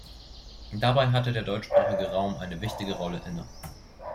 Dabei hatte der deutschsprachige Raum eine wichtige Rolle inne.